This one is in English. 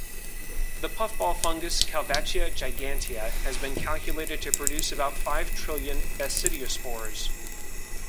The puffball fungus "Calvatia gigantea" has been calculated to produce about five trillion basidiospores.